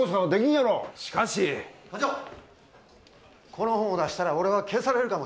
「この本を出したら俺は消されるかもしれない」